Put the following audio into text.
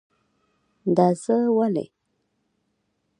دا زه ولی؟